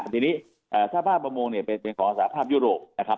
ทีนี้สาธารณ์ประมงเนี่ยเป็นของสาธารณ์ยุโรปนะครับ